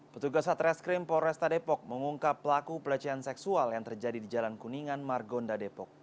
petugas satreskrim polresta depok mengungkap pelaku pelecehan seksual yang terjadi di jalan kuningan margonda depok